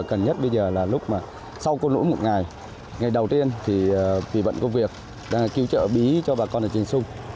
cần nhất bây giờ là lúc mà sau cơn lũ một ngày ngày đầu tiên thì vì bận công việc đang cứu trợ bí cho bà con ở trên sông